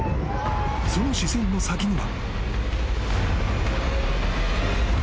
その視線の先には］